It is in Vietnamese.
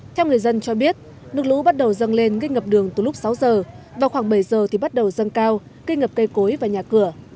theo người dân cho biết nước lũ bắt đầu dâng lên gây ngập đường từ lúc sáu giờ vào khoảng bảy giờ thì bắt đầu dâng cao gây ngập cây cối và nhà cửa